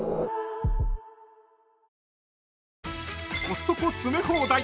［コストコ詰め放題